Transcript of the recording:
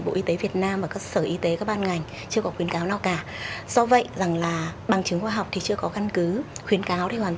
bởi vì không những nó không có ý nghĩa theo mong muốn của mình